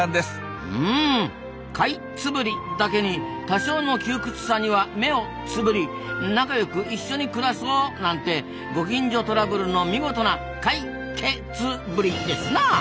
うんカイ「ツブリ」だけに多少の窮屈さには目を「つぶり」仲よく一緒に暮らそうなんてご近所トラブルの見事な「カイけツブリ」ですなあ！